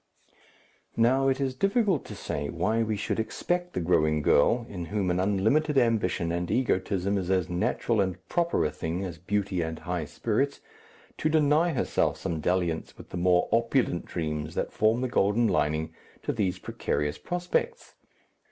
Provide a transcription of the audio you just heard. Now, it is difficult to say why we should expect the growing girl, in whom an unlimited ambition and egotism is as natural and proper a thing as beauty and high spirits, to deny herself some dalliance with the more opulent dreams that form the golden lining to these precarious prospects?